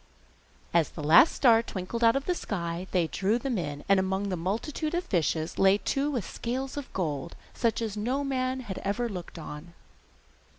As the last star twinkled out of the sky they drew them in, and among the multitude of fishes lay two with scales of gold, such as no man had ever looked on.